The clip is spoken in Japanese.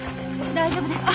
大丈夫ですか？